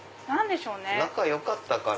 仲良かったから。